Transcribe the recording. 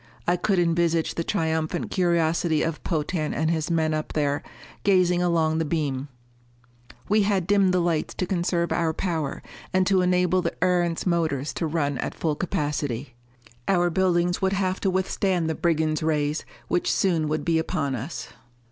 I could envisage the triumphant curiosity of Potan and his men up there, gazing along the beam. We had dimmed the lights to conserve our power, and to enable the Erentz motors to run at full capacity. Our buildings would have to withstand the brigands' rays which soon would be upon us.